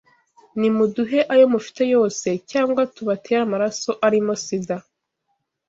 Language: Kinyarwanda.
nimuduhe ayo mufite yose cyangwa tubatere amaraso arimo SIDA